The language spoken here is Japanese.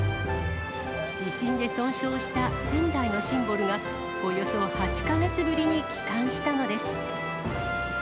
地震で損傷した仙台のシンボルが、およそ８か月ぶりに帰還したのです。